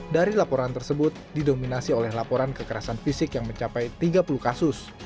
dari laporan tersebut didominasi oleh laporan kekerasan fisik yang mencapai tiga puluh kasus